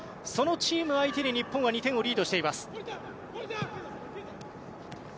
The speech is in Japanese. そのチーム相手に日本は２点をリードしています。